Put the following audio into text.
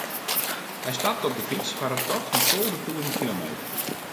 Hy stapte op de fyts foar in tocht fan tolve tûzen kilometer.